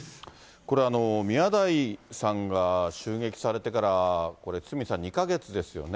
これ、宮台さんが襲撃されてから、これ、堤さん、２か月ですよね。